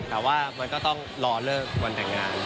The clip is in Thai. แต่ว่ามันก็ต้องรอเลิกวันแต่งงาน